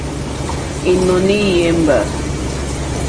Ínɔ̀ní í yémbà.